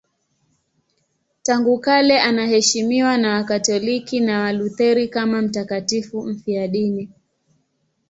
Tangu kale anaheshimiwa na Wakatoliki na Walutheri kama mtakatifu mfiadini.